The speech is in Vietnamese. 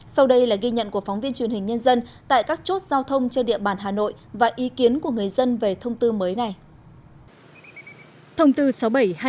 sau đây là ghi nhận của phóng viên truyền hình nhân dân tại các chốt giao thông trên địa bàn hà nội và ý kiến của người dân về thông tư mới này